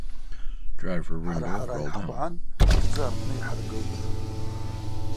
Хӏара-хӏара йхӏхвгӏан атдзы апны йхӏыргылтӏ.